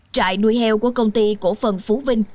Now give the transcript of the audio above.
trại nuôi heo của công ty cổ phần phú vinh